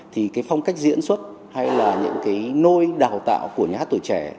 thì cái phong cách diễn xuất hay là những cái nôi đào tạo của nhà hát tuổi trẻ